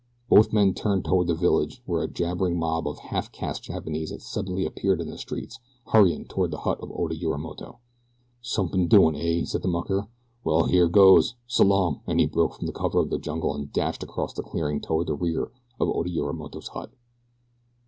Both men turned toward the village, where a jabbering mob of half caste Japanese had suddenly appeared in the streets, hurrying toward the hut of Oda Yorimoto. "Somepin doin', eh?" said the mucker. "Well, here goes s'long!" And he broke from the cover of the jungle and dashed across the clearing toward the rear of Oda Yorimoto's hut.